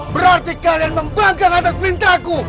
berarti kalian membanggang atas perintahku